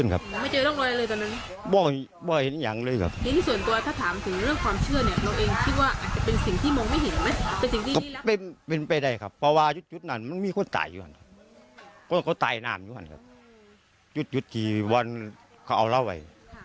ข้างล่างเนี่ยเนี่ยเขาตายหนามอยู่คันครับจุดทีวันเขาเอาร่าไว้